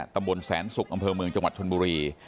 ตำบลแสนศุกร์อำเภอเมืองจังหวัดชนบุรี